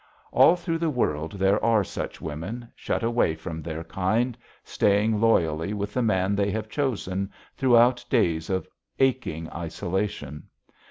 All through the world there are such women, shut away from their kind, staying loyally with the man they have chosen through days of aching isolation.